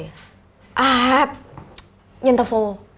ครับเย็นตะโฟ